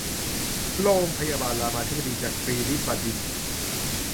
โรงพยาบาลรามาธิบดีจักรีนฤบดินทร์